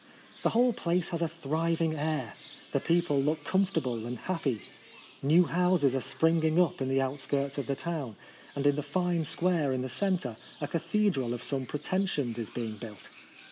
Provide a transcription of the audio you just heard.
The whole place has a thriving air. The people look comfortable and happy. New houses are springing up in the outskirts of the town ; and in the fine square in the centre, a cathedral of some pretensions is being built.